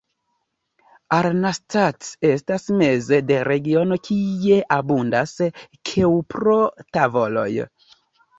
Arnstadt estas meze de regiono kie abundas keŭpro-tavoloj.